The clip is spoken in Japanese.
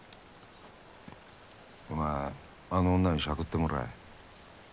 お前あの女にシャクってもらえ。